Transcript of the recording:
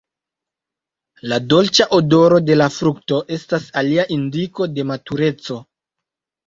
La dolĉa odoro de la frukto estas alia indiko de matureco.